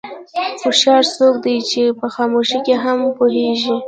هوښیار څوک دی چې په خاموشۍ کې هم پوهېږي.